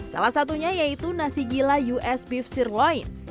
salah satunya yaitu nasi gila us beef sirloin